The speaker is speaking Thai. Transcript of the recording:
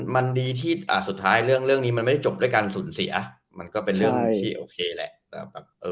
มันดีที่สุดท้ายเรื่องนี้มันไม่ได้จบด้วยการสูญเสียมันก็เป็นเรื่องที่โอเคแหละ